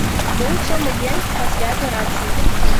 Быў сёмы дзень пасля аперацыі.